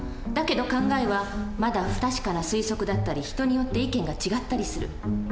だけど考えはまだ不確かな推測だったり人によって意見が違ったりする。